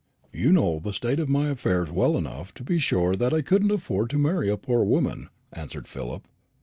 "You know the state of my affairs well enough to be sure that I couldn't afford to marry a poor woman," answered Philip.